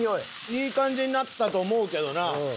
いい感じになったと思うけどな。